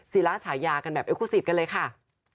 ศิลาฉายากันแบบเอโคซิตกันเลยค่ะ